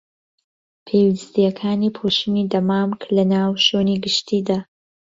پێویستیەکانی پۆشینی دەمامک لەناو شوێنی گشتیدا